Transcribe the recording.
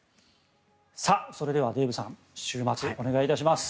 それではデーブさん週末お願いします。